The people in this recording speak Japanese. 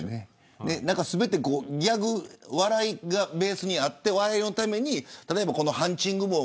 全て笑いがベースにあってお笑いのために例えばハンチング帽